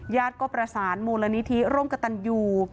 ญาติก็ประสานมูลนิธิร่วมกับตันยู